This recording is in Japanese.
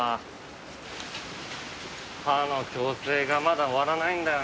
歯の矯正がまだ終わらないんだよな俺。